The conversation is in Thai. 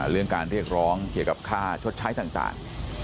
เรื่องการเรียกร้องเกี่ยวกับค่าชดใช้ต่าง